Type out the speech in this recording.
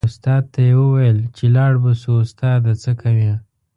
استاد ته یې و ویل چې لاړ به شو استاده څه کوې.